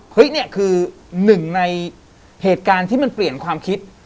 นี่คือหนึ่งในเหตุการณ์ที่มันเปลี่ยนความคิด